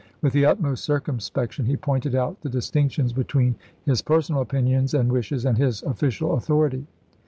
With the utmost circum spection he pointed out the distinctions between his personal opinions and wishes and his official authority.